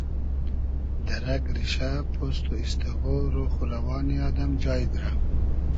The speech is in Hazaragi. دۂ رئگ ریشۂ پوست و ایسیغۉ روخ و روانی آدئم جای دیرۂ